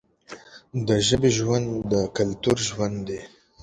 د ژبې ژوند د کلتور ژوند دی.